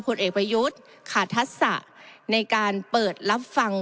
ผลเอกประยุทธ์ขาดทักษะในการเปิดรับฟัง